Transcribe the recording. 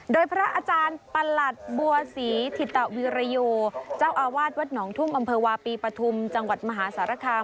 โดยพระอาจารย์ประหลัดบัวศรีถิตวิรโยเจ้าอาวาสวัดหนองทุ่มอำเภอวาปีปฐุมจังหวัดมหาสารคาม